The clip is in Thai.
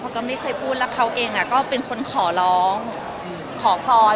ก็ไม่เคยพูดแล้วเขาเองก็เป็นคนขอร้องขอพร